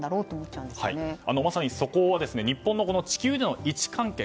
まさにそこは日本の地球での位置関係